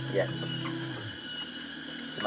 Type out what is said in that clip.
tidak ada apa apa